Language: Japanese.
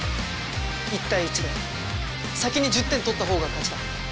１対１で先に１０点取った方が勝ちだ。